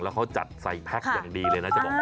แล้วเขาจัดใส่แพ็คอย่างดีเลยนะจะบอกว่า